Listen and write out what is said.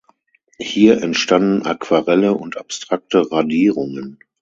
Hier entstanden Aquarelle und abstrakte Radierungen.